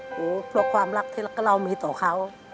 โอ้โฮเพราะความรักที่เรามีต่อเขา